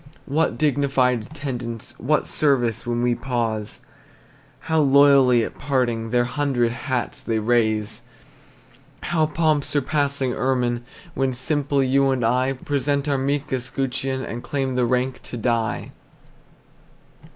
What dignified attendants, What service when we pause! How loyally at parting Their hundred hats they raise! How pomp surpassing ermine, When simple you and I Present our meek escutcheon, And claim the rank to die! II.